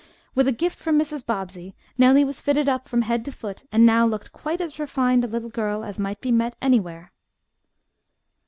With a gift from Mrs. Bobbsey, Nellie was "fitted up from head to foot," and now looked quite as refined a little girl as might be met anywhere.